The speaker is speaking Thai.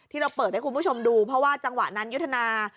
เราเปิดให้คุณผู้ชมดูเพราะว่าจังหวะนั้นยุทธนา